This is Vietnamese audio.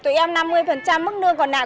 tụi em năm mươi mức nương còn lại